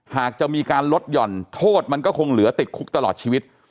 หากจะมีการลดหย่อนโทษมันก็คงเหลือติดคุกตลอดชีวิต